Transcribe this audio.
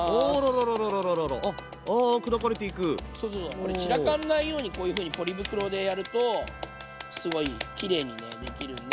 これ散らかんないようにこういうふうにポリ袋でやるとすごいきれいにねできるんで。